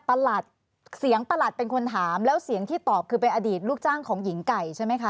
เสียงประหลัดเป็นคนถามแล้วเสียงที่ตอบคือเป็นอดีตลูกจ้างของหญิงไก่ใช่ไหมคะ